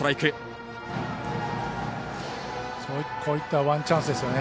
こういったワンチャンスですよね。